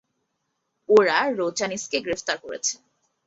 ওরা রোচানিসকে গ্রেফতার করেছে।